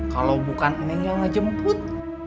kalau bukan ini yang ngejemput